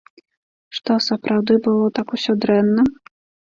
Што, сапраўды, было так усё дрэнна?